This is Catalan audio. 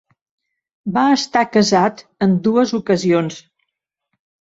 Va estar casat en dues ocasions.